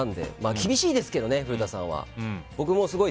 厳しいですけどね、古田さんは。